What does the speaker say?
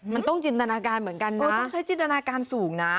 มันต้องจินตนาการเหมือนกันนะต้องใช้จินตนาการสูงนะ